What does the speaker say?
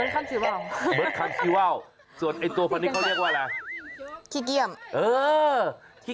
คือภาษาอิงสารเขาว่าไงนะ